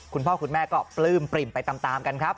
คุณพ่อคุณแม่ก็ปลื้มปริ่มไปตามกันครับ